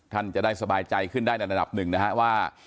ท่านจะได้สบายใจขึ้นได้ในระดับหนึ่งนะฮะว่า